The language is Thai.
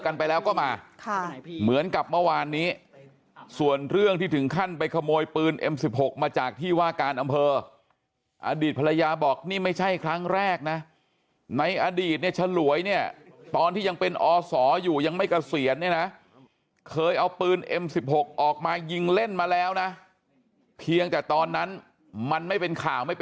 เนื้อเนื้อมันคงขาดวิ่นหมดแล้วอะใช่ค่ะ